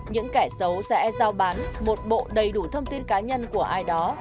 những kẻ xấu sẽ giao bán một bộ đầy đủ thông tin cá nhân của ai đó